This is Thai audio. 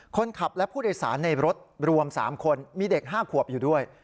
คนขับและผู้โดยสารในรถรวม๓คนมีเด็ก๕ขวบอยู่ด้วย